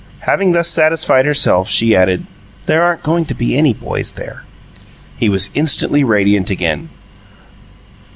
Having thus satisfied herself, she added: "There aren't goin' to be any boys there." He was instantly radiant again.